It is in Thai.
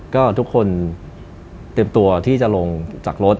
ก็ทุกคนเตรียมตัวที่จะลงจากรถ